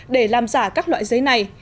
để làm giả các loại giấy này